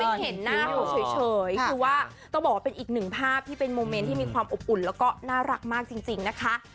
เห็นหน้าเขาเฉยคือว่าต้องบอกว่าเป็นอีกหนึ่งภาพที่เป็นโมเมนต์ที่มีความอบอุ่นแล้วก็น่ารักมากจริงนะคะ